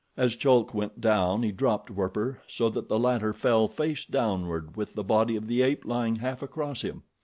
As Chulk went down he dropped Werper, so that the latter fell face downward with the body of the ape lying half across him.